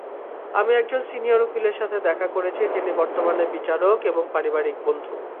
আমি একজন সিনিয়র উকিলের সাথে দেখা করেছি, যিনি বর্তমানে বিচারক এবং পারিবারিক বন্ধু।